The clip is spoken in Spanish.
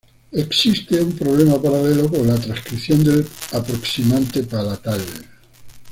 Existe un problema paralelo con la transcripción del aproximante palatal.